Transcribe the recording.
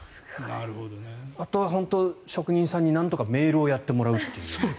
あとは職人さんになんとかメールをやってもらうという。